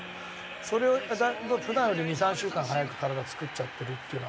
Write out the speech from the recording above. それを普段より２３週間早く体作っちゃってるっていうのは。